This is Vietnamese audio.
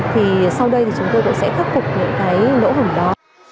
thì sau đây thì chúng tôi cũng sẽ khắc phục những cái lỗ hổng đó